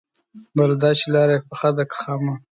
بله دا چې لاره يې پخه ده که خامه؟